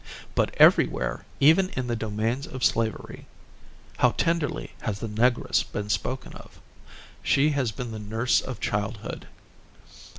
But everywhere, even in the domains of slavery, how tenderly has the Negress been spoken of! She has been the nurse of childhood.